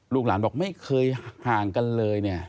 ลูกหลานบอกไม่เคยห่างกันเลยเนี่ย